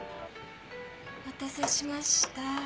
お待たせしました。